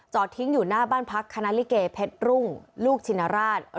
ทิ้งอยู่หน้าบ้านพักคณะลิเกเพชรรุ่งลูกชินราช